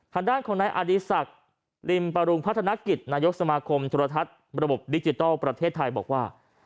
ทางด้านของนายอดีศักดิ์ริมปรุงพัฒนกิจนายกสมาคมธุรทัศน์ระบบดิจิทัลประเทศไทยบอกว่า